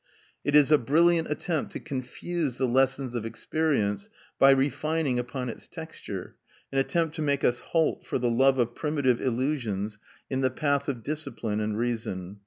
It is a brilliant attempt to confuse the lessons of experience by refining upon its texture, an attempt to make us halt, for the love of primitive illusions, in the path of discipline and reason.